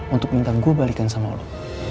untuk minta gue balikan sama lo